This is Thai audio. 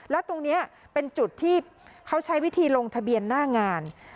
แล้วตรงนี้เป็นจุดที่เขาใช้วิธีลงทะเบียนหน้างาน